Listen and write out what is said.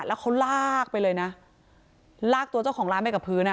แล้วเขาลากไปเลยนะลากตัวเจ้าของร้านไปกับพื้นอ่ะ